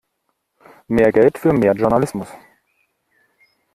Mehr Geld für mehr Journalismus!